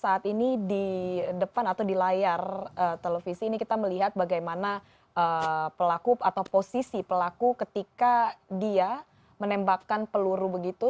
saat ini di depan atau di layar televisi ini kita melihat bagaimana pelaku atau posisi pelaku ketika dia menembakkan peluru begitu